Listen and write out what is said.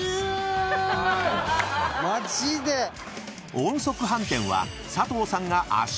［音速飯店は佐藤さんが圧勝］